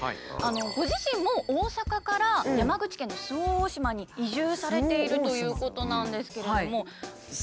ご自身も大阪から山口県の周防大島に移住されているということなんですけれども。